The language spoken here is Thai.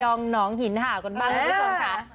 องหนองหินเห่ากันบ้างคุณผู้ชมค่ะ